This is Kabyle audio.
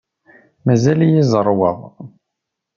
Mazal-iyi zerrweɣ.